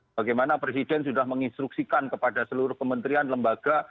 bagaimana presiden sudah menginstruksikan kepada seluruh kementerian lembaga